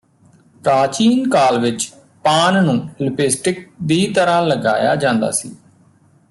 ਪ੍ਰਾਚੀਨ ਕਾਲ ਵਿਚ ਪਾਨ ਨੂੰ ਲਿਪਸਟਿਕ ਦੀ ਤਰ੍ਹਾਂ ਲਗਾਇਆ ਜਾਂਦਾ ਸੀ